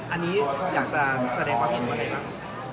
อันนี้อยากจะแสดงว่าผิดเมื่อไหนบ้าง